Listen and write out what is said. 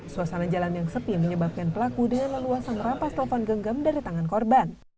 suasana jalan yang sepi menyebabkan pelaku dengan leluasa merampas telepon genggam dari tangan korban